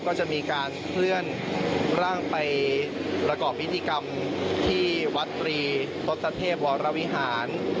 ก็จะมีการเคลื่อนร่างไปประกอบพิธีกรรมที่วัดตรีทศเทพวรวิหาร